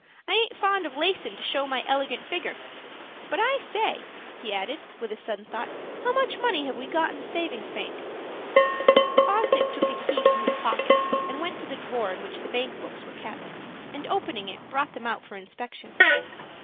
"I aint fond of lacin' to show my elegant figger. But I say," he added with a sudden thought, "how much money have we got in the savings' bank?" Fosdick took a key from his pocket, and went to the drawer in which the bank books were kept, and, opening it, brought them out for inspection.